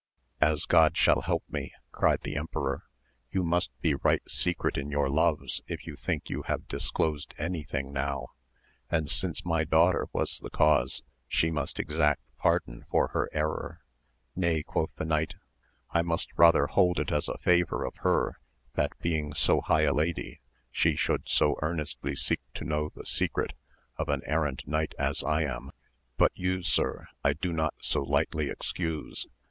As God shall help me, cried the emperor, you must be right secret in your loves if you think you have dis closed any thing now, and since my daughter was the cause she must exact pardon for her error. Nay, quoth the knight, I must rather hold it as a favour of her that being so high a lady she should so earnestly seek to know the secret of an errant knight as I am ; but you sir I do not so lightly excuse